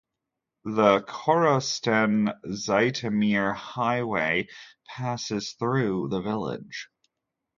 The Korosten–Zhytomyr highway passes through the village.